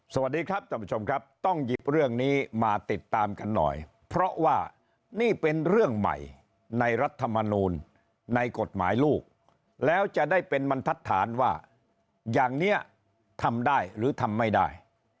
สวัสดีครับท่านผู้ชมครับต้องหยิบเรื่องนี้มาติดตามกันหน่อยเพราะว่านี่เป็นเรื่องใหม่ในรัฐมนูลในกฎหมายลูกแล้วจะได้เป็นบรรทัดฐานว่าอย่างนี้ทำได้หรือทำไม่ได้